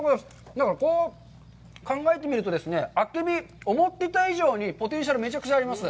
だからこう考えてみるとですね、あけび、思ってた以上にポテンシャルめちゃくちゃあります。